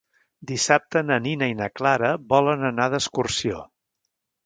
Dissabte na Nina i na Clara volen anar d'excursió.